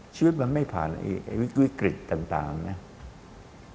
ชีวิตมันไม่ผ่านวิกฤตต่างนะ